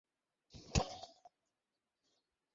কি হইছে, সোনা?